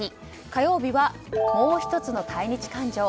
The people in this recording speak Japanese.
火曜日は、もうひとつの対日感情。